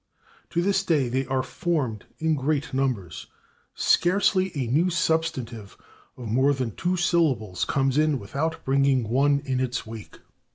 To this day they are formed in great numbers; scarcely a new substantive of more than two syllables comes in without bringing one in its wake.